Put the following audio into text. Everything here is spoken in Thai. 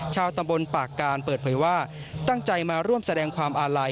ชาวตำบลปากการเปิดเผยว่าตั้งใจมาร่วมแสดงความอาลัย